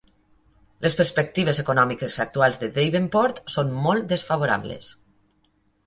Les perspectives econòmiques actuals de Davenport són molt desfavorables.